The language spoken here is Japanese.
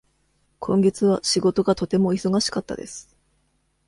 今月は仕事がとても忙しかったです。